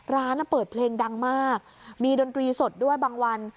ร้านเปิดเพลงดังมากมีดนตรีสดด้วยบางวัน